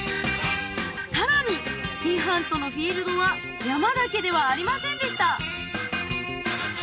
さらに菌ハントのフィールドは山だけではありませんでした